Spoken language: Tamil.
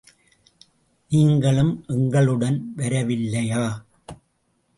நீங்களும் எங்களுடன் வரவில்லையா?